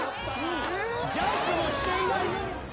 ジャンプもしていないのに。